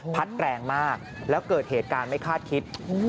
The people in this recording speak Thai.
แรงมากแล้วเกิดเหตุการณ์ไม่คาดคิด